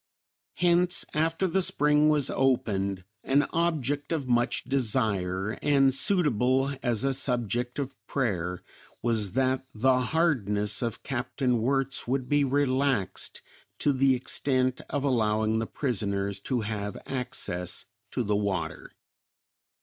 Hence, after the spring was opened an object of much desire, and suitable as a subject of prayer, was that the hardness of Capt. Wirtz would be relaxed to the extent of allowing the prisoners to have access to the water.